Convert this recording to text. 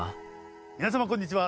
皆様こんにちは。